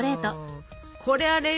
これあれよ！